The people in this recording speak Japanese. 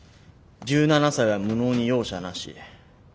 １７才は無能に容赦なし」。